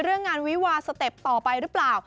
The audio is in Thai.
เรื่องงานวิวาสเต็ปต่อไปหรือเปล่า